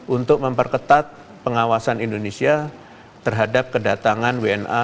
untuk memperketat pengawasan indonesia terhadap kedatangan wna